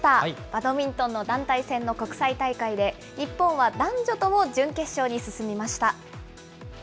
バドミントンの団体戦の国際大会で、日本は男女とも準決勝に進みました。